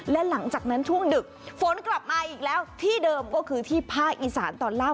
และหลังจากนั้นช่วงดึกฝนกลับมาอีกแล้วที่เดิมก็คือที่ภาคอีสานตอนล่าง